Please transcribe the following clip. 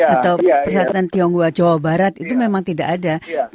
atau persatuan tionghoa jawa barat itu memang tidak ada